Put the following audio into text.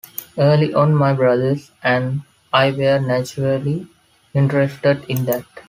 Early on, my brothers and I were naturally interested in that.